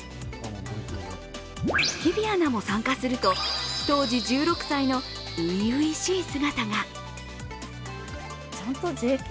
日比アナも参加すると、当時１６歳の初々しい姿が。